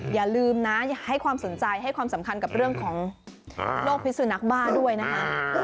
อย่าลืมนะให้ความสนใจให้ความสำคัญกับเรื่องของโรคพิสุนักบ้าด้วยนะคะ